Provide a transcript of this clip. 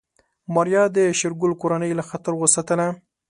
ماريا د شېرګل کورنۍ له خطر وساتله.